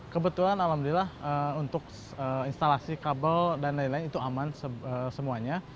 kebetulan alhamdulillah untuk instalasi kabel dan lain lain itu aman semuanya